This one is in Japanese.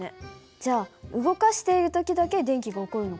じゃあ動かしている時だけ電気が起こるのかな？